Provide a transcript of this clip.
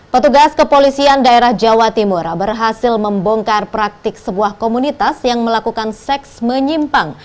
petugas kepolisian daerah jawa timur berhasil membongkar praktik sebuah komunitas yang melakukan seks menyimpang